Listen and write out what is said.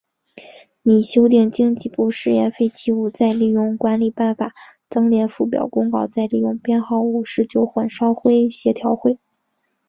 拟修订经济部事业废弃物再利用管理办法增列附表公告再利用编号五十九混烧灰协调会。